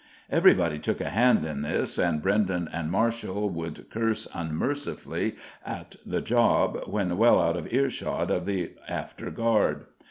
Everybody took a hand in this and Brenden and Marshall would curse unmercifully at the job when well out of earshot of the after guard.